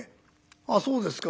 「あっそうですか。